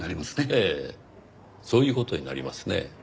ええそういう事になりますねぇ。